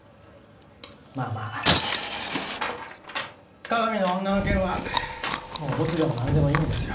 まあまあ加賀見の女の件はもうボツでもなんでもいいんですよ。